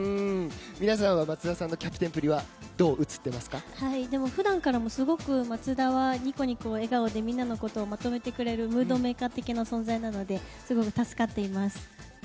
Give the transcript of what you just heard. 皆さんは松田さんのキャプテンっぷりは普段からもすごく松田はニコニコ笑顔でみんなのことをまとめてくれるムードメーカー的な存在なのですごく助かっています。